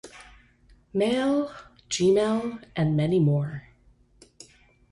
Mail, Gmail and many more.